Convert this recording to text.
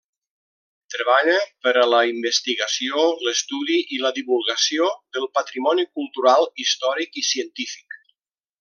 Treballa per a la investigació, l'estudi i la divulgació del patrimoni cultural, històric i científic.